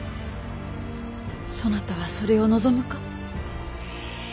そなたはそれを望むか。